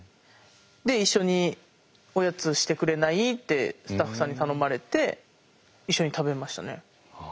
で「一緒におやつしてくれない？」ってスタッフさんに頼まれて一緒に食べましたね。